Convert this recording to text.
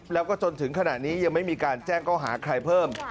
แล้วก็จนถึงขณะนี้ยังไม่มีการแจ้งเข้าหาใครเพิ่ม